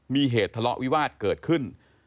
มีเหตุทะเลาะวิวาสเกิดขึ้น